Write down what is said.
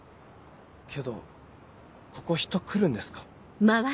けどここ人来るんですか？